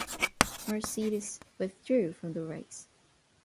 Mercedes withdrew from the race.